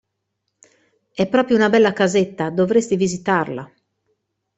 È proprio una bella casetta, dovresti visitarla.